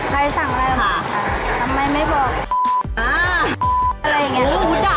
ใครที่ต่างเลยออกทีวั่นก็ต้องการ